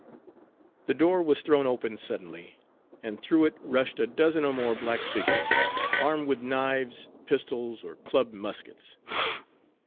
The door was thrown open suddenly, and through it rushed a dozen or more black figures, armed with knives, pistols, or clubbed muskets.